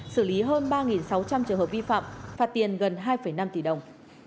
xử lý hơn ba sáu trăm linh trường hợp vi phạm phạt tiền gần hai năm tỷ đồng